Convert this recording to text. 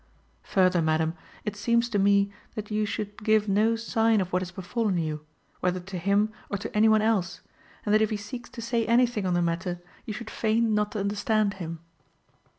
Further, madam, it seems to me that you should give no sign of what has befallen you, whether to him or to any one else, and that if he seeks to say anything on the matter, you should feign not to understand him.